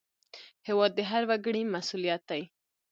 هېواد د هر وګړي مسوولیت دی.